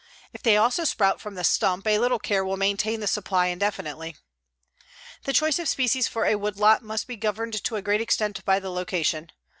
If they also sprout from the stump, a little care will maintain the supply indefinitely. The choice of species for a woodlot must be governed to a great extent by the location.